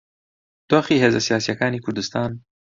دۆخی هێزە سیاسییەکانی کوردستان